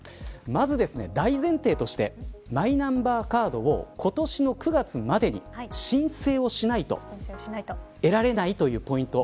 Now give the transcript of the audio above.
まず、大前提としてマイナンバーカードを今年の９月までに申請をしないと得られないというポイント。